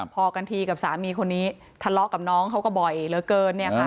พอกันทีกับสามีคนนี้ทะเลาะกับน้องเขาก็บ่อยเหลือเกินเนี่ยค่ะ